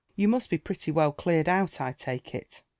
You must be pretty well cleared out, I take it